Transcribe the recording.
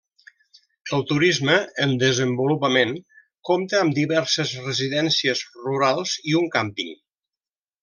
El turisme, en desenvolupament, compta amb diverses residències rurals i un càmping.